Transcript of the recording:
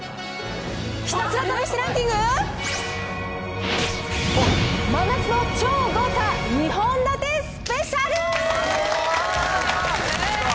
ひたすら試してランキング、真夏の超豪華２本立てスペシャル！